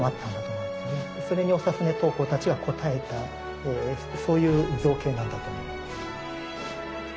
それに長船刀工たちは応えたそういう造形なんだと思います。